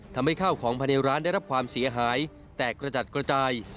ทำให้ข้าวของภายในร้านได้รับความเสียหายแตกกระจัดกระจาย